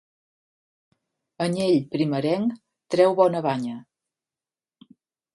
Anyell primerenc treu bona banya.